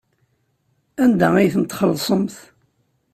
Anda ay tent-txellṣemt?